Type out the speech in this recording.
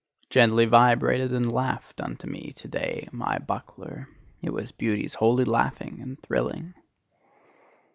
Gently vibrated and laughed unto me to day my buckler; it was beauty's holy laughing and thrilling.